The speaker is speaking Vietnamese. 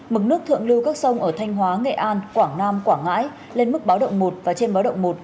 mực nước thượng lưu các sông ở thanh hóa nghệ an quảng nam quảng ngãi lên mức báo động một và trên báo động một